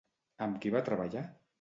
Amb qui va treballar?